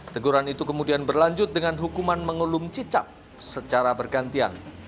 teguran itu kemudian berlanjut dengan hukuman mengelum cicak secara bergantian